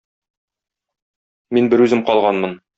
Мин берүзем калганмын.